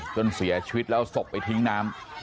จนเสียชีวิตแล้วศพไปทิ้งน้ำ